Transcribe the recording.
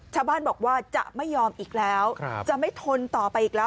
ชาวบ้านบอกว่าจะไม่ยอมอีกแล้วจะไม่ทนต่อไปอีกแล้ว